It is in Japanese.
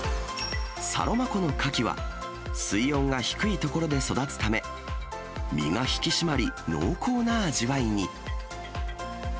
サロマ湖のカキは水温が低い所で育つため、身が引き締まり、濃厚な味わいに。